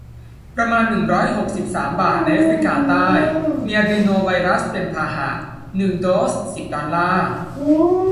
ประมาณ หนึ่งร้อยหกสิบสาม บาท ในแอฟริกาใต้ มีอะดรีโนไวรัสเป็นพาหะ หนึ่ง โดส สิบ ดอลลาร์